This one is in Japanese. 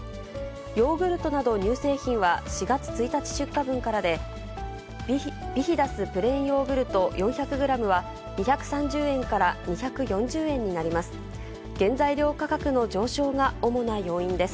ヨーグルトなど乳製品は４月１日出荷分からで、ビヒダスプレーンヨーグルト４００グラムは、２３０円から２４０円になります。